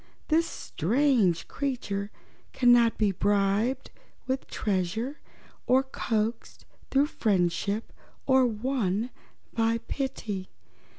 This strange creature cannot be bribed with treasure, or coaxed through friendship, or won by pity.